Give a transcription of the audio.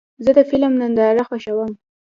زه د فلم ننداره خوښوم.